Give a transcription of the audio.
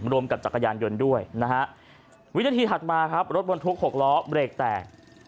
รวมกับจักรยายนยนต์ด้วยวิธีที่ถัดมารถบนทุกข์หกล้อเปรกแตก